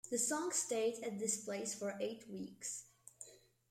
The song stayed at this place for eight weeks.